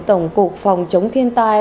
tổng cục phòng chống thiên tai